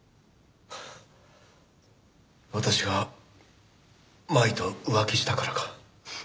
私が麻衣と浮気したからか。